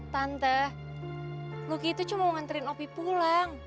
tante lucky itu cuma mau nganterin opi pulang